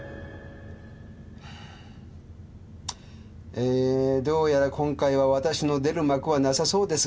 えーどうやら今回はわたしの出る幕はなさそうです。